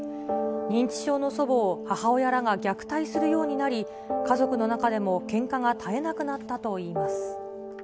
認知症の祖母を母親らが虐待するようになり、家族の中でもけんかが絶えなくなったといいます。